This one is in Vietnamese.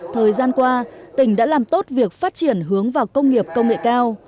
thời gian qua tỉnh đã làm tốt việc phát triển hướng vào công nghiệp công nghệ cao